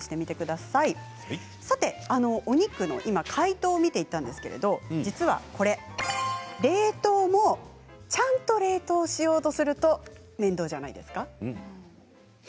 さて、お肉の解凍を見ていたんですけれど実は冷凍もちゃんと冷凍しようとすると面倒じゃないですか。